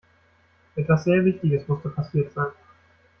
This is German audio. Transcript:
Etwas sehr Wichtiges musste passiert sein.